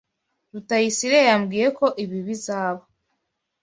Rutayisire yambwiye ko ibi bizaba.